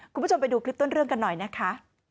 คุณผู้ชมไปดูคลิปต้นเรื่องกันหน่อยนะคะ